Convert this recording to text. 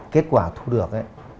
kết quả thu được